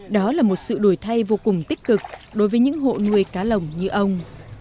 đó là một sự đổi thay vô cùng tích cực đối với những hộ nuôi cá lồng như ông